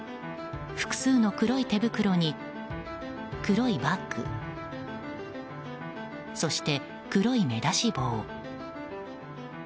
複数の黒い手袋に、黒いバッグそして、黒い目出し帽。